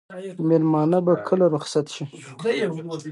مېلمانه به کله رخصت شي؟